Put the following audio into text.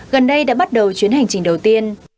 gần đây đã bắt đầu chuyến hành trình đầu tiên